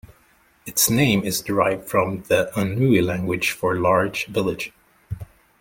Its name is derived from the Ainu language for "large village".